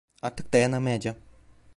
Artık dayanamayacağım.